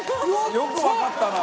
よくわかったな。